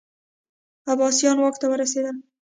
عباسیان واک ته ورسېدل